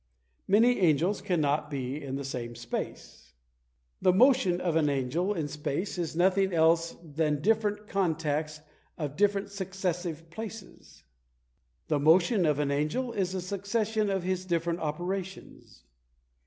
Many angels cannot be in the same space. The motion of an angel in space is nothing else than different contacts of different successive places. The motion of an angel is a succession of his different operations.